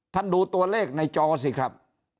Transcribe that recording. ดูตัวเลขในจอสิครับ